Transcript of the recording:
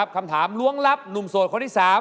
คำถามล้วงลับหนุ่มโสดคนที่๓